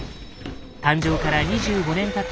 誕生から２５年たった